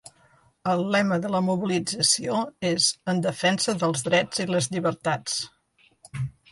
El lema de la mobilització és ‘En defensa dels drets i les llibertats’.